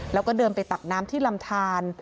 แล้วก็เดินไปตักน้ำที่ลำทาน